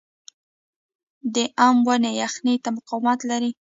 د ام ونې یخنۍ ته مقاومت لري؟